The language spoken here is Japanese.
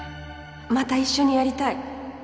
また一緒にやりたい。